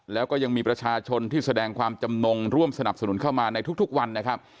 แล้วก็ยังมีประชาชนที่แสดงความจำนงร่วมสนับสนุนเข้ามาในทุกวันนะครับ